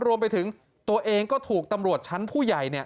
รวมไปถึงตัวเองก็ถูกตำรวจชั้นผู้ใหญ่